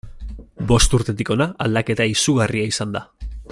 Bost urtetik hona aldaketa izugarria izan da.